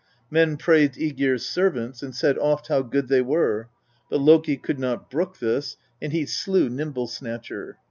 Men praised ^Egir's servants, and said oft how good they were ; but Loki could not brook this, and he slew Nimble snatcher.